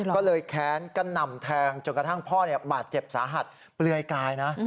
ก็เลยแค้นกระหน่ำแทงจนกระทั่งพ่อบาดเจ็บสาหัสเปลือยกายนะ